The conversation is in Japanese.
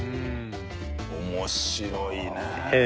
面白いねえ。